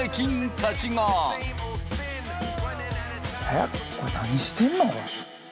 えっこれ何してんの？